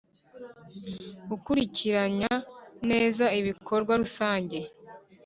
gukurikiranya neza ibikorwa rusange